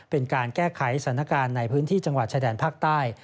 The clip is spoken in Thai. เป็นการแก้ไขสถานการณ์ในพื้นที่จังหวัดชายแดนภาคใต้